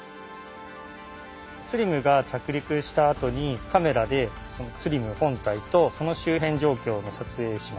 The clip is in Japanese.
ＳＬＩＭが着陸したあとにカメラでＳＬＩＭ本体とその周辺状況を撮影します。